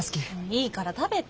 いいから食べて。